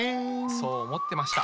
そう思ってました。